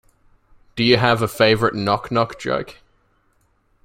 Do you have a favourite knock knock joke?